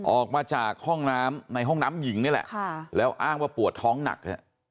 ออกมาจากห้องน้ำในห้องน้ำหญิงนี่แหละแล้วอ้างว่าปวดท้องหนัก